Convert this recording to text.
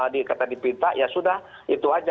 dikata di pinta ya sudah itu aja